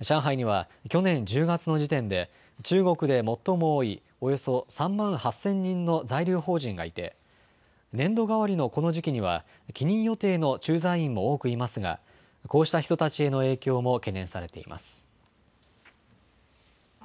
上海には去年１０月の時点で中国で最も多いおよそ３万８０００人の在留邦人がいて年度替わりのこの時期には帰任予定の駐在員も多くいますがこうした人たちへの影響も懸念されています。